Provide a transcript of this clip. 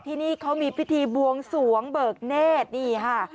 ที่นี่เขามีพิธีบวงสวงเบิกเนธนี่ค่ะ